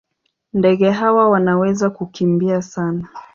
Ndege hawa wanaweza kukimbia sana.